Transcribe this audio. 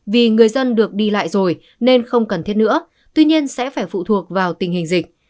vì người dân được đi lại rồi nên không cần thiết nữa tuy nhiên sẽ phải phụ thuộc vào tình hình dịch